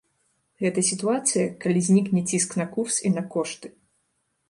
Гэта сітуацыя, калі знікне ціск на курс і на кошты.